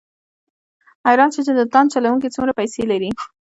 حیران شوم چې د تاند چلوونکي څومره پیسې لري.